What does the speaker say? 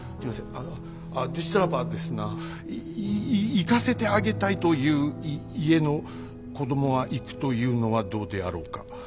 あのでしたらばですない行かせてあげたいという家の子供は行くというのはどうであろうか。